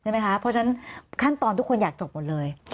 เพราะฉะนั้นขั้นตอนทุกคนอยากจบหมดเลย